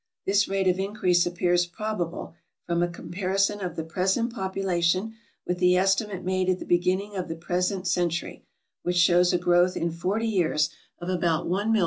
This rate of increase appears prob able, from a comparison of the present population with the estimate made at the beginning of the present century, which shows a growth in forty years of about 1,400,000.